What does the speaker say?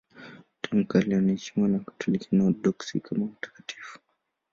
Tangu kale wanaheshimiwa na Wakatoliki na Waorthodoksi kama watakatifu.